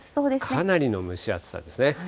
かなりの蒸し暑さですね。